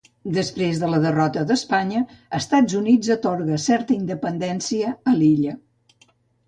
Després de la derrota d'Espanya, Estats Units atorga certa independència a l'illa.